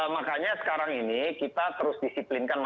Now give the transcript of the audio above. makanya sekarang ini kita terus disiplinkan